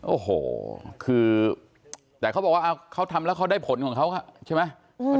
โอ้โหคือแต่เขาบอกว่าเขาทำแล้วเขาได้ผลของเขาใช่ไหม